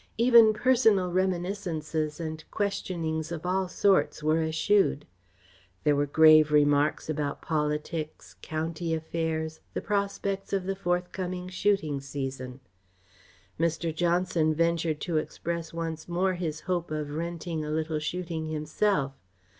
Even personal reminiscences and questionings of all sorts were eschewed. There were grave remarks about politics, county affairs, the prospects of the forthcoming shooting season. Mr. Johnson ventured to express once more his hope of renting a little shooting himself.